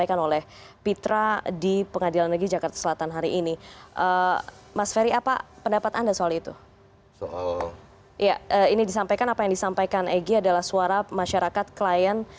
ini disampaikan apa yang disampaikan egy adalah suara masyarakat klien